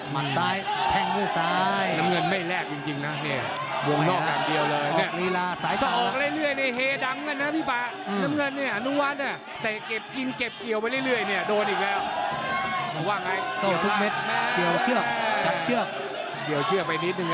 มันซ้ายแท่งด้วยซ้ายน้ำเงินไม่แลกจริงจริงนะเนี่ยวงลอกอันเดียวเลยเนี่ยออกฤลาสายต่างต้องออกเรื่อยเรื่อยในเฮดังกันนะพี่ฟ้าอืมน้ำเงินเนี่ยอันวัดอ่ะแต่เก็บกินเก็บเกี่ยวไปเรื่อยเรื่อยเนี่ยโดนอีกแล้วเขาว่าไงเกี่ยวทุกเม็ดเกี่ยวเชือกจับเชือกเกี่ยวเชือกไปนิด